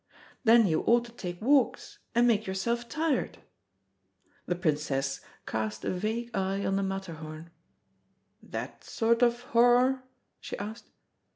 Then you ought to take walks and make yourself tired." The Princess cast a vague eye on the Matterhorn. "That sort of horror?" she asked.